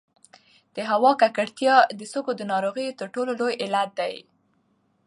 د هوا ککړتیا د سږو د ناروغیو تر ټولو لوی علت دی.